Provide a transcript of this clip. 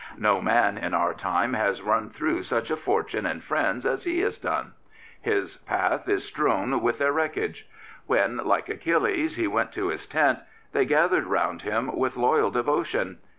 No man in our time has run through such a fortune in friends as he has done. His path is strewn with their wreckage. When, like Achilles, he went to his tent, they gathered round him with loyal devotion.